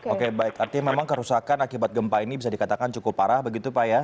oke baik artinya memang kerusakan akibat gempa ini bisa dikatakan cukup parah begitu pak ya